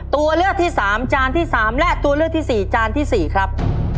ตัวเลือกที่สามจานที่สามและตัวเลือกที่สี่จานที่สี่ครับ